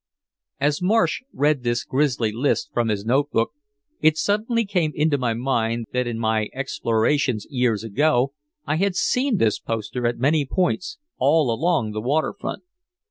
'" As Marsh read this grisly list from his notebook, it suddenly came into my mind that in my explorations years ago I had seen this poster at many points, all along the waterfront.